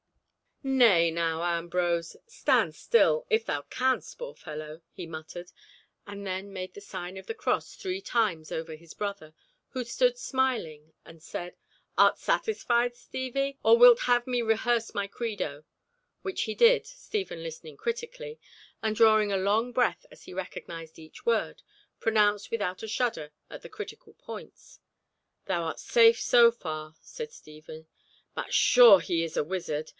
"Nay now, Ambrose. Stand still—if thou canst, poor fellow," he muttered, and then made the sign of the cross three times over his brother, who stood smiling, and said, "Art satisfied Stevie? Or wilt have me rehearse my Credo?" Which he did, Stephen listening critically, and drawing a long breath as he recognised each word, pronounced without a shudder at the critical points. "Thou art safe so far," said Stephen. "But sure he is a wizard.